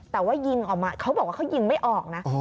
แต่ว่ายิงออกมาเขาบอกว่าเขายิงไม่ออกนะ